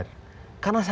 karena saking berpengalaman